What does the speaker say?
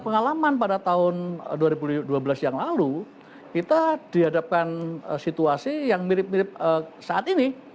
pengalaman pada tahun dua ribu dua belas yang lalu kita dihadapkan situasi yang mirip mirip saat ini